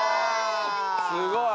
すごい！